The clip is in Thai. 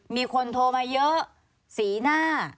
มีคนโทรมาเยอะสีหน้า